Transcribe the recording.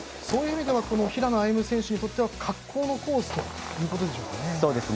そういう意味では平野歩夢選手にとっては格好のコースということでしょうか。